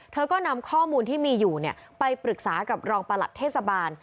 เธอก็นำข้อมูลที่มีอยู่ไปปรึกษากับรองประหลัดเทศบาล